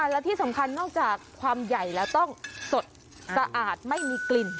และที่สำคัญนอกจากความใหญ่แล้วต้องสดสะอาดไม่มีกลิ่น